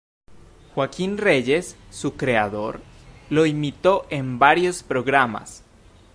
Joaquín Reyes, su creador, lo imitó en varios programas.